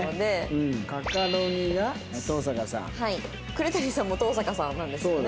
栗谷さんも東坂さんなんですよね。